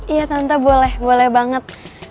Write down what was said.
iya tante boleh boleh banget